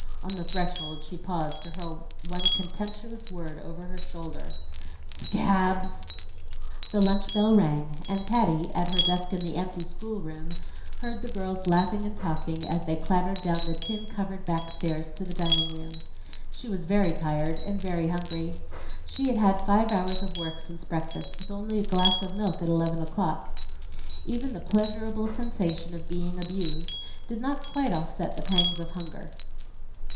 On the threshold she paused to hurl one contemptuous word over her shoulder: "Scabs!" The lunch bell rang, and Patty at her desk in the empty schoolroom heard the girls laughing and talking, as they clattered down the tin covered back stairs to the dining room. She was very tired and very hungry. She had had five hours of work since breakfast, with only a glass of milk at eleven o'clock. Even the pleasurable sensation of being abused did not quite offset the pangs of hunger.